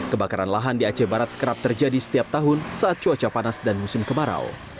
kebakaran lahan di aceh barat kerap terjadi setiap tahun saat cuaca panas dan musim kemarau